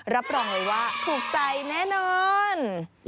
รับรองเลยว่าถูกใจแน่นอน